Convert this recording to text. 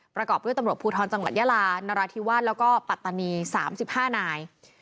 ประกอบด้วยตำรวจภูทรจังหวัดยาลานราธิวาสแล้วก็ปัตตานี๓๕นาย